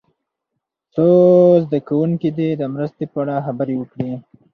څو زده کوونکي دې د مرستې په اړه خبرې وکړي.